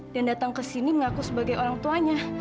dan datang ke sini mengaku sebagai orang tuanya